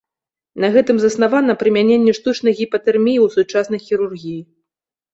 На гэтым заснавана прымяненне штучнай гіпатэрміі ў сучаснай хірургіі.